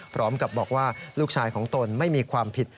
พร้อมกับบอกว่าลูกชายของตนไม่มีความผิด